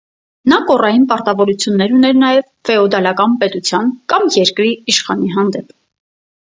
Նա կոռային պարտավորություններ ուներ նաև ֆեոդալական պետության կամ երկրի իշխանի հանդեպ։